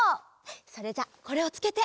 それじゃあこれをつけて。